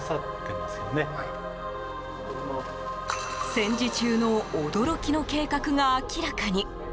戦時中の驚きの計画が明らかに。